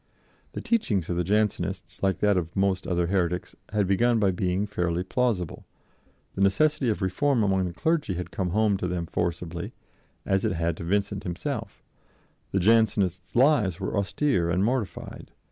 The teaching of the Jansenists, like that of most other heretics, had begun by being fairly plausible. The necessity of reform among the clergy had come home to them forcibly, as it had to Vincent himself; the Jansenists' lives were austere and mortified.